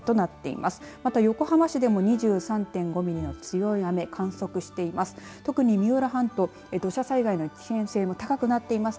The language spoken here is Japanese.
また横浜市でも２３．５ミリの強い雨観測しています。